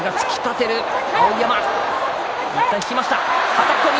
はたき込み。